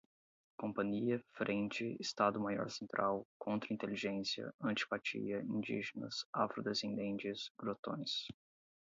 companhia, frente, estado-maior central, contra-inteligência, antipatia, indígenas, afrodescendentes, grotões